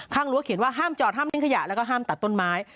รั้วเขียนว่าห้ามจอดห้ามเน้นขยะแล้วก็ห้ามตัดต้นไม้